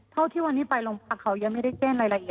เท่าวันนี้ไปรองพักเขายังไม่ได้เจ่นอะไรอะไรเลยค่ะ